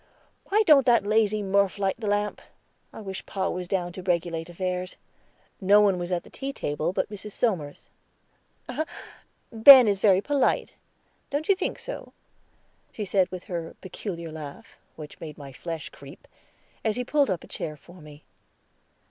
"Why don't that lazy Murph light the lamp? I wish pa was down to regulate affairs." No one was at the tea table but Mrs. Somers. "Ben is very polite, don't you think so?" she said with her peculiar laugh, which made my flesh creep, as he pulled up a chair for me.